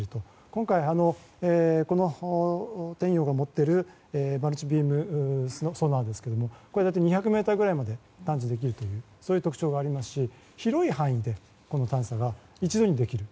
今回、この「天洋」が持っているマルチビームソナーはこれは大体２００ｍぐらいまで探知できる特徴がありますし広い範囲で探査が一度にできる。